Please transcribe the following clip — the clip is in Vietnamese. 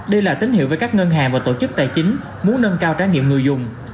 đây là tín hiệu với các ngân hàng và tổ chức tài chính muốn nâng cao trải nghiệm người dùng